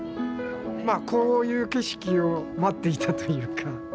まあこういう景色を待っていたというか。